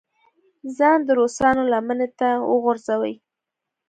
ځان د روسانو لمنې ته وغورځوي.